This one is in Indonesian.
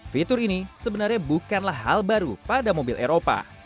fitur ini sebenarnya bukanlah hal baru pada mobil eropa